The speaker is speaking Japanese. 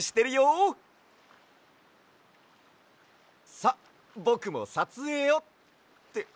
さっぼくもさつえいをって